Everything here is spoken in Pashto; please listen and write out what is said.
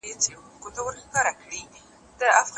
په تندي کي مو لیکلي د سپرلیو جنازې دي